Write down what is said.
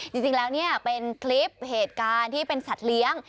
จริงแล้วเนี่ยเป็นคลิปเหตุการณ์ที่เป็นสัตว์เลี้ยง